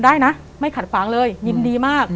ได้นะไม่ขัดขวางเลยยินดีมาก